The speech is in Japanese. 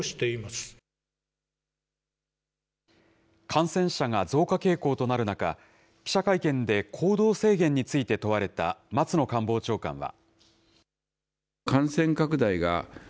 感染者が増加傾向となる中、記者会見で行動制限について問われた松野官房長官は。